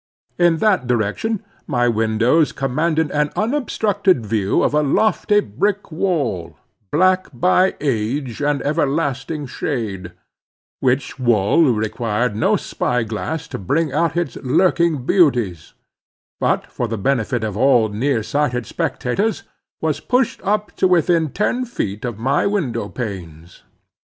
In that direction my windows commanded an unobstructed view of a lofty brick wall, black by age and everlasting shade; which wall required no spy glass to bring out its lurking beauties, but for the benefit of all near sighted spectators, was pushed up to within ten feet of my window panes.